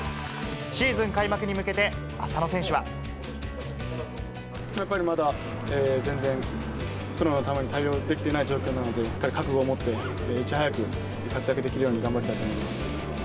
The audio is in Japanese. シーズン開幕に向けて、やっぱりまだ全然、プロの球に対応できていない状況なので、覚悟を持って、いち早く活躍できるように頑張りたいと思います。